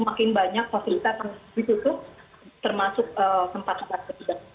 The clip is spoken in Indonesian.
makin banyak fasilitas yang ditutup termasuk tempat tempat ketiga